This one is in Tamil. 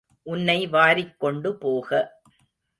உன்னை வாரிக் கொண்டு போக.